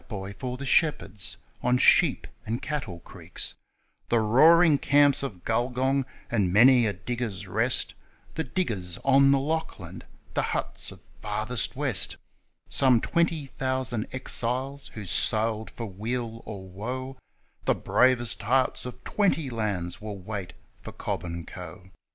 The black boy for the shepherds on sheep and cattle creeks ; The roaring camps of Gulgong, and many a ' Digger's Rest j ' The diggers on the Lachlan ; the huts of Furthest West; Some twenty thousand exiles who sailed for weal or woe ; The bravest hearts of twenty lands will wait for Cobb and Co.